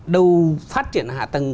đầu phát triển hạ tầng